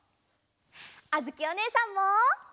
あづきおねえさんも。